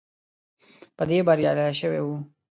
په دې بریالی شوی وو.